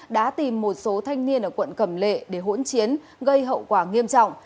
đã tìm một số thanh niên ở quận cầm lệ để hỗn chiến gây hậu quả nghiêm trọng